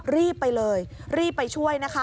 รีบไปเลยรีบไปช่วยนะคะ